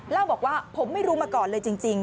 เล่าบอกว่าผมไม่รู้มาก่อนเลยจริง